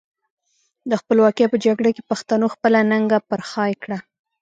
د خپلواکۍ په جګړه کې پښتنو خپله ننګه پر خای کړه.